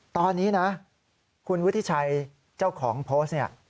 ตอนนี้นะคุณวุฒิชัยเจ้าของโพสต์เนี่ย